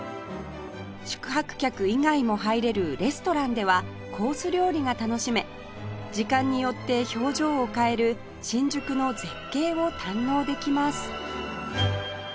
宿泊客以外も入れるレストランではコース料理が楽しめ時間によって表情を変える新宿の絶景を堪能できます